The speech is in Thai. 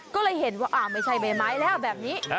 ก็เลยเห็นว่าไม่ใช่ใบไม้แล้วแบบนี้